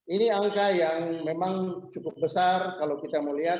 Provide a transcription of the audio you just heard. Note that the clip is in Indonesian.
ini angka yang memang cukup besar kalau kita melihat